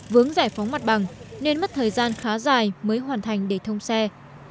vướng giải phóng mặt bằng nên mất thời gian khá dài mới hoàn thành để thông xe